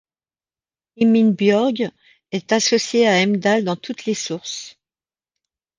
Himinbjörg est associé à Heimdall dans toutes les sources.